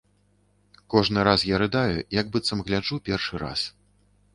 Кожны раз я рыдаю, як быццам гляджу першы раз.